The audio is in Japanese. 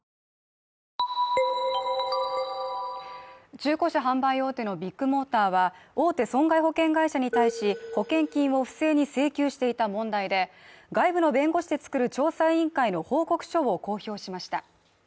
中古車販売大手のビッグモーターは大手損害保険会社に対し、保険金を不正に請求していた問題で、外部の弁護士でつくる調査委員会の報告書を公表しました。